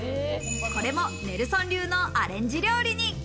これもネルソン流のアレンジ料理に。